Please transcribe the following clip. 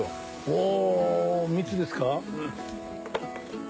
おぉ蜜ですか！